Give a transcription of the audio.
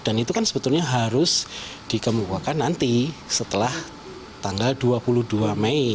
dan itu kan sebetulnya harus dikemukakan nanti setelah tanggal dua puluh dua mei